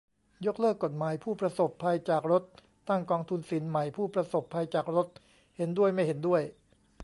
ยกเลิกกฎหมายผู้ประสบภัยจากรถ ตั้งกองทุนสินไหมผู้ประสบภัยจากรถ ? เห็นด้วย ไม่เห็นด้วย